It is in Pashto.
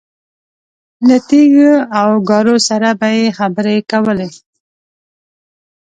له تیږو او ګارو سره به یې خبرې کولې.